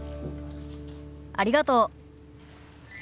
ありがとう。